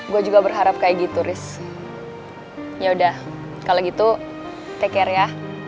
gue juga berharap kayak gitu risk ya udah kalau gitu take care ya